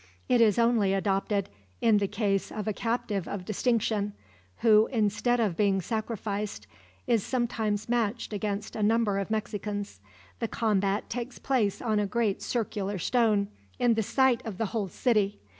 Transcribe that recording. It is only adopted in the case of a captive of distinction; who, instead of being sacrificed, is sometimes matched against a number of Mexicans. The combat takes place on a great circular stone, in the sight of the whole city.